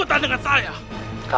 tidak ada yang akan mendengar kamu